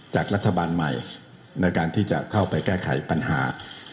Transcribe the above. จากรัฐบาลใหม่ในการที่จะเข้าไปแก้ไขปัญหา